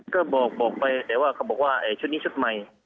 ก็บอกไปแต่ว่าเขาบอกว่าชุดนี้ชุดใหม่